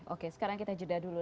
oke sekarang kita jeda dulu